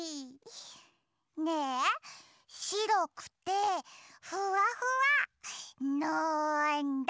ねえしろくてふわふわなんだ？